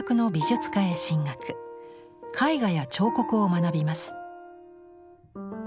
絵画や彫刻を学びます。